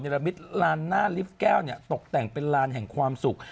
นิรมิตรร้านณลิฟท์แก้วตกแต่งเป็นร้านแห่งความสุข